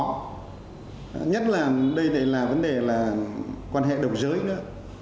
nhất là đây này là vấn đề là quan hệ độc giới nữa